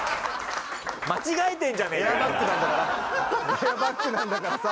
エアバッグなんだからさ。